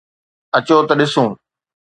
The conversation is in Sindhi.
اچو ته ڏسون